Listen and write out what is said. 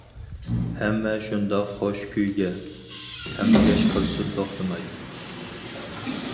ھەممە شۇنداق شوخ كۈيگە، تەڭكەش قىلسۇن توختىماي.